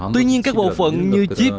tuy nhiên các bộ phận như chip